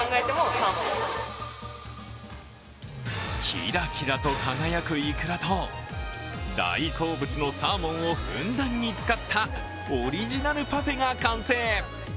キラキラと輝くイクラと大好物のサーモンをふんだんに使ったオリジナルパフェが完成。